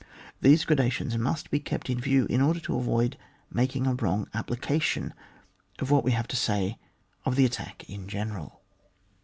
These gpradations must be kept in view, in order to avoid making a wrong application of what we have to say of the attack in general.